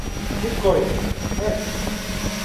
E cóidasmo, eh?